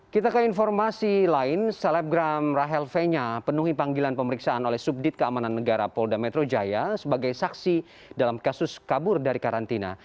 kita ke informasi lain selebgram rahel fenya penuhi panggilan pemeriksaan oleh subdit keamanan negara polda metro jaya sebagai saksi dalam kasus kabur dari karantina